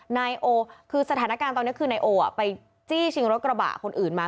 นายโอคือสถานการณ์ตอนนี้คือนายโอไปจี้ชิงรถกระบะคนอื่นมา